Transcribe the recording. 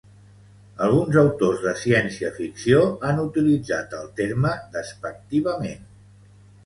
Alguns autors de ciència-ficció han utilitzat el terme despectivament.